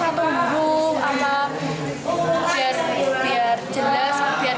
atau biar jelas biar gak kelamaan gak mau mikir